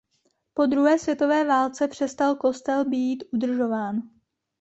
Po druhé světové válce přestal kostel být udržován.